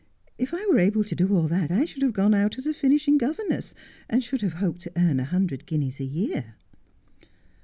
' If I were able to do all that I should have gone out as a finishing governess, and should have hoped to earn a hundred guineas a year.'